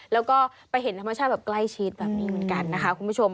แล้วก็ไปเห็นธรรมชาติแบบใกล้ชิดแบบนี้เหมือนกันนะคะคุณผู้ชม